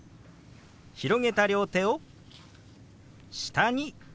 広げた両手を下に動かします。